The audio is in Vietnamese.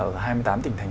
ở hai mươi tám tỉnh thành